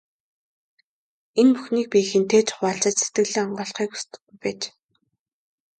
Энэ бүхнийг би хэнтэй ч хуваалцаж, сэтгэлээ онгойлгохыг хүсдэггүй байж.